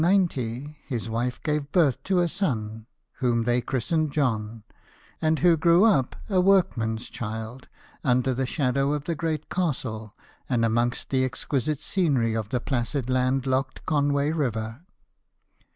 In 1790, his wife gave birth to a son whom they christened John, and who grew up, a workman's child, under the shadow of the great castle, and among the exquisite scenery of the placid land locked Conway river.